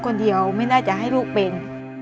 คนเดียวไม่น่าจะให้ลูกเป็น